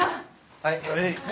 はい！